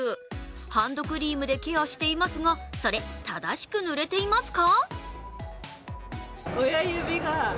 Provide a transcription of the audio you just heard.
ハンドクリームでケアしていますがそれ、正しく塗れていますか？